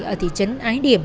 ở thị trấn ái điểm